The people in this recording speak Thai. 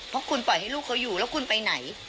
เพราะคุณปล่อยให้ลูกเขาอยู่แล้วคุณไปไหน